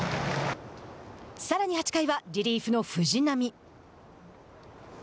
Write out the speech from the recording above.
さらに８回はリリーフの藤浪。